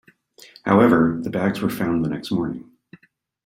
However, the bags were found the next morning.